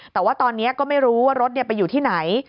แต่ว่าตอนนี้ก็ไม่รู้ว่ารถไปอยู่ที่ไหน